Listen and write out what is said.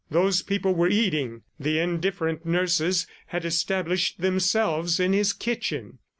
Those people were eating; the indifferent nurses had established themselves in his kitchen.